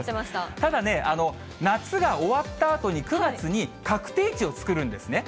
ただ、夏が終わったあとに、９月に、確定値を作るんですね。